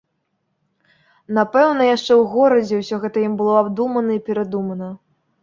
Напэўна, яшчэ ў горадзе ўсё гэта ім было абдумана і перадумана.